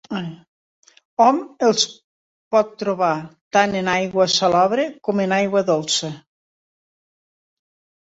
Hom els pot trobar tant en aigua salobre com en aigua dolça.